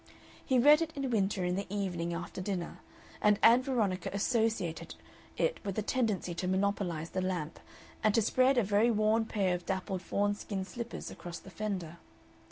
He read it in winter in the evening after dinner, and Ann Veronica associated it with a tendency to monopolize the lamp, and to spread a very worn pair of dappled fawn skin slippers across the fender.